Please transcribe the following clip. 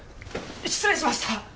失礼しました！